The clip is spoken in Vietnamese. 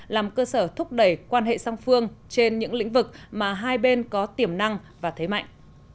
làm cơ sở thúc đẩy quan hệ song phương trên những lĩnh vực mà hai bên có tiềm năng và thế mạnh